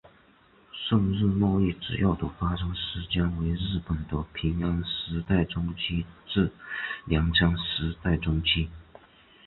宋日贸易主要的发生时间为日本的平安时代中期至镰仓时代中期。